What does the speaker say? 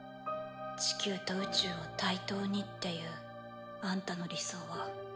地球と宇宙を対等にっていうあんたの理想は。